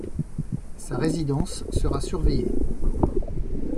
Sa résidence sera surveillée.